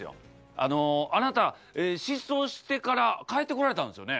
あの、あなた、失踪してから帰ってこられたんですよね。